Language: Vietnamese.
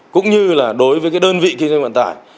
cũng như là đối với cái đơn vị kinh doanh vận tải